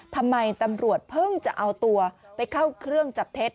ทำไมตำรวจเพิ่งจะเอาตัวไปเข้าเครื่องจับเท็จ